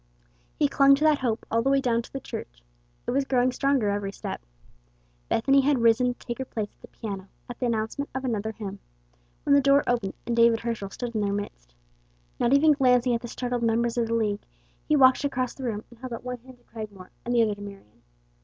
He clung to that hope all the way down to the Church. It was growing stronger every step. Bethany had risen to take her place at the piano at the announcement of another hymn, when the door opened and David Herschel stood in their midst. Not even glancing at the startled members of the League, he walked across the room and held out one hand to Cragmore and the other to Marion.